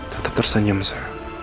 tetap tersenyum sa